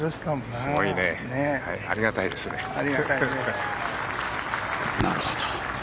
なるほど。